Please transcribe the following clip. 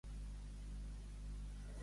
En quin moment diu que es troba Catalunya?